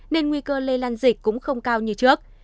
nên nguy cơ lây lan dịch cũng không cao như trước